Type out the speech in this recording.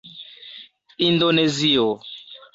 indonezio